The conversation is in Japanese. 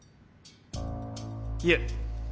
いえ。